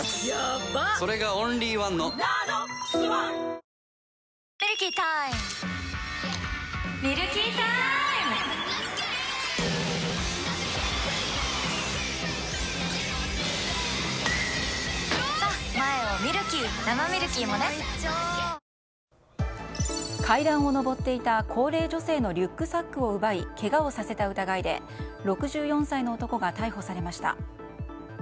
それがオンリーワンの「ＮＡＮＯＸｏｎｅ」階段を上っていた高齢女性のリュックサックを奪いけがをさせた疑いで６４歳の男が逮捕されました。